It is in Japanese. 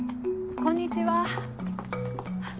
こんにちは。